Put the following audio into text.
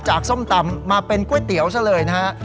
ส้มตำมาเป็นก๋วยเตี๋ยวซะเลยนะฮะ